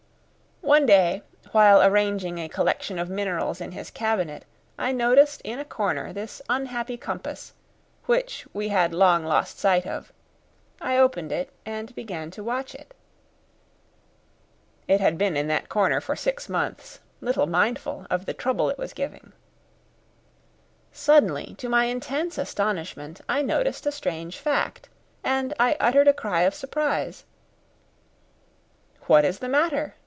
One day, while arranging a collection of minerals in his cabinet, I noticed in a corner this unhappy compass, which we had long lost sight of; I opened it, and began to watch it. It had been in that corner for six months, little mindful of the trouble it was giving. Suddenly, to my intense astonishment, I noticed a strange fact, and I uttered a cry of surprise. "What is the matter?"